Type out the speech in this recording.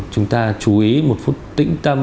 chúng ta chú ý một phút tĩnh tâm